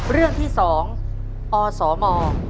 เรื่องที่๒อสม